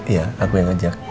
iya aku yang ngajak